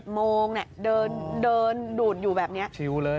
๑๑โมงเนี่ยเดินดูดอยู่แบบเนี้ย